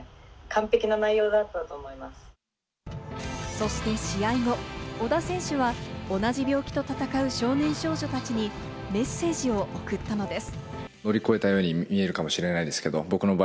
そして試合後、小田選手は同じ病気と闘う少年・少女たちにメッセージを送ったのです。